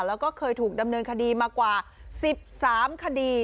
แล้วก็เคยถูกดำเนินคดีมากว่า๑๓คดี